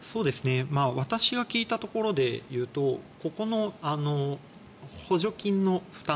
私が聞いたところでいうと補助金の負担